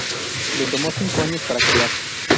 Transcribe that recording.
Le tomó cinco años para crear.